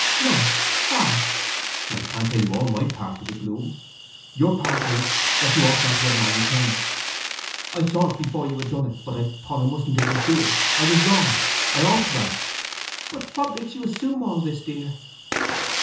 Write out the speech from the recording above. "No! Why?" "I can't tell you all my part of the gloom. Your part is that you ought not to have married him. I saw it before you had done it, but I thought I mustn't interfere. I was wrong. I ought to have!" "But what makes you assume all this, dear?"